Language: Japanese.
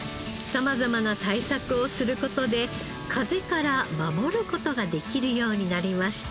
様々な対策をする事で風から守る事ができるようになりました。